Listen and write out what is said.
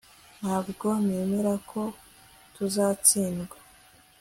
Ntabwo nemera ko tuzatsindwa